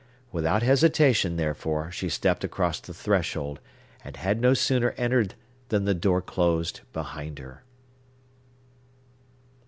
Without hesitation, therefore, she stepped across the threshold, and had no sooner entered than the door closed behind her.